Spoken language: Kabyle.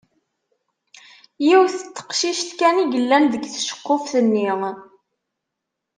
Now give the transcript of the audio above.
Yiwet n teqcict kan i yellan deg tceqquft-nni.